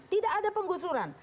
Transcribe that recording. tidak ada penggusuran